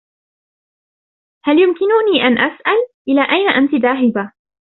هل يمكنني أن أسأل, إلى أين أنتِ ذاهبة؟